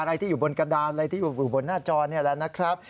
ที่อยู่บนกระดานอะไรที่อยู่บนหน้าจอนี่แหละนะครับ